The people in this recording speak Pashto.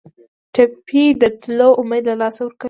ټپي د تلو امید له لاسه ورکوي.